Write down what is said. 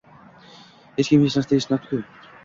Hech kim hech narsa eshitmadi-ku